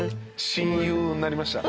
親友になりました。